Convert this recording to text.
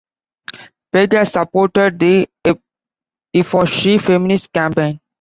Pegg has supported the HeForShe feminist campaign.